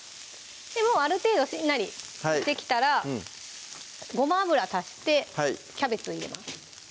もうある程度しんなりしてきたらごま油足してキャベツ入れます